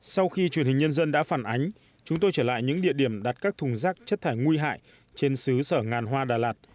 sau khi truyền hình nhân dân đã phản ánh chúng tôi trở lại những địa điểm đặt các thùng rác chất thải nguy hại trên xứ sở ngàn hoa đà lạt